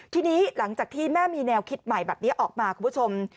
ทีนี้หลังจากที่แม่มีแนวคิดใหม่แบบนี้ออกมาคุณผู้ชม